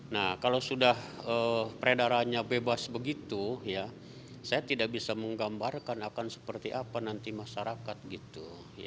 nah kalau sudah peredarannya bebas begitu ya saya tidak bisa menggambarkan akan seperti apa nanti masyarakat gitu